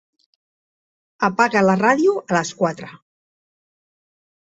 Apaga la ràdio a les quatre.